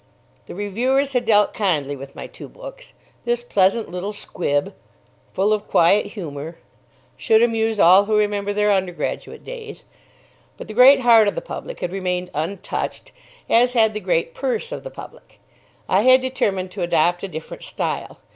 The reviewers had dealt kindly with my two books ("this pleasant little squib," "full of quiet humour," "should amuse all who remember their undergraduate days"); but the great heart of the public had remained untouched, as had the great purse of the public. I had determined to adopt a different style.